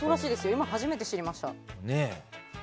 今、初めて知りました。